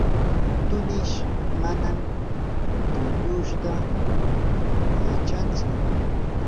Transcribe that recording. tumish manam tushuyta yachantsu.